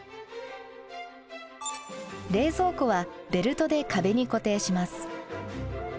冷蔵庫はベルトで壁に固定します。